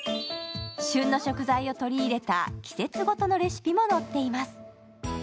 旬の食材を取り入れた季節ごとのレシピも載っています。